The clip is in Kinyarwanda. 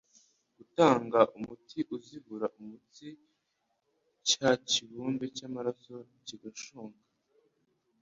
Gutanga umuti uzibura umutsi cya kibumbe cy'amaraso kigashonnga